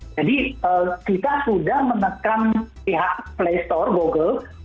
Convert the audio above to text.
jadi kita sudah menekan pihak playstore google